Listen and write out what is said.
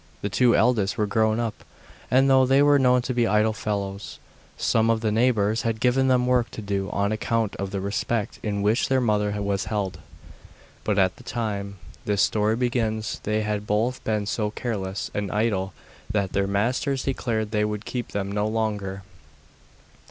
The two eldest were grown up, and though they were known to be idle fellows, some of the neighbours had given them work to do on account of the respect in which their mother was held. But at the time this story begins they had both been so careless and idle that their masters declared they would keep them no longer.